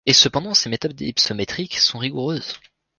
et cependant, ces méthodes hypsométriques sont rigoureuses.